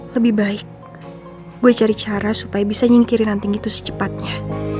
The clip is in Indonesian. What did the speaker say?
lebih baik gue cari cara supaya bisa nyingkirinan tinggi itu secepatnya